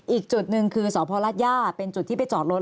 อีกจุดหนึ่งคือสพรัฐย่าเป็นจุดที่ไปจอดรถ